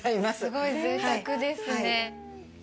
すごい、ぜいたくですね。